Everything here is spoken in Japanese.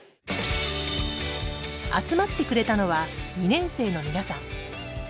集まってくれたのは２年生の皆さん。